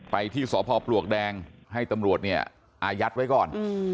ไปที่สพปลวกแดงให้ตำรวจเนี่ยอายัดไว้ก่อน